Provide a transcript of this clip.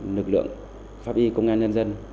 nực lượng pháp y công an nhân dân